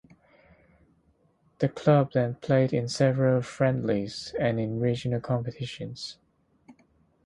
The club then played in several friendlies and in regional competitions.